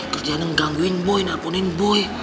kerjanya ngegangguin boy nelfonin boy